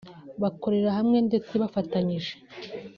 bakorera hamwe ndetse bafatanyije